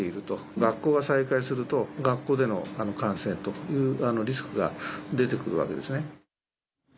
学校が再開すると、学校での感染というリスクが出てくるわけですね。